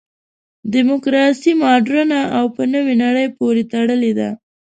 دیموکراسي مډرنه او په نوې نړۍ پورې تړلې ده.